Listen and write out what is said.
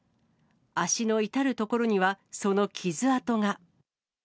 足の至る所にはその傷痕が。